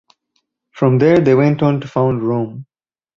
From there they went on to found Rome.